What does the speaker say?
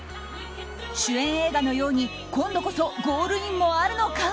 主演映画のように、今度こそゴールインもあるのか？